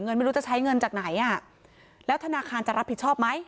ไม่รู้จะใช้เงินจากไหนอ่ะแล้วธนาคารจะรับผิดชอบไหม